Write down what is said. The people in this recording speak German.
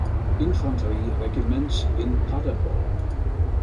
Infanterie-Regiments in Paderborn.